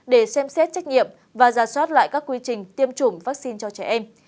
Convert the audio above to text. để xem xét trách nhiệm và ra soát lại các quy trình tiêm chủng vaccine cho trẻ em